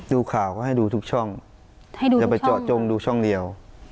ดูข่าวก็ให้ดูทุกช่องอย่าไปเจาะจงดูช่องเดียว